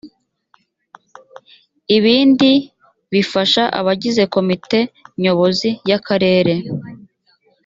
ibindi bifasha abagize komite nyobozi y akarere